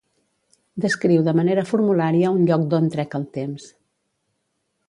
Descriu de manera formulària un lloc d'on trec el temps.